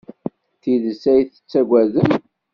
D tidet ay tettaggadem?